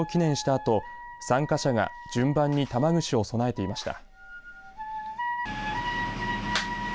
あと参加者が順番に玉串を供えていました。